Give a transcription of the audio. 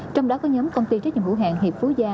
trong đó có nhóm công ty trách nhiệm hữu hàng hiệp phú gia